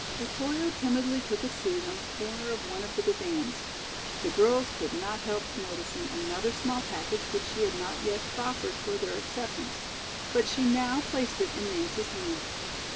Otoyo timidly took a seat on a corner of one of the divans. The girls could not help noticing another small package which she had not yet proffered for their acceptance. But she now placed it in Nance's hand.